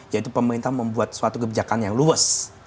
yaitu pemerintah membuat suatu kebijakan yang luas